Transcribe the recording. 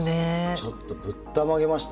ちょっとぶったまげました。